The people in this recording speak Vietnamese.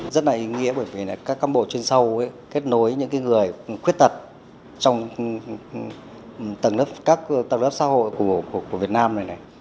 rất là ý nghĩa bởi vì các cán bộ trên sâu kết nối những người khuyết tật trong tầng lớp xã hội của việt nam này này